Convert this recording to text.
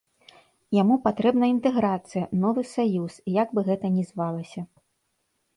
Яму патрэбна інтэграцыя, новы саюз, як бы гэта ні звалася.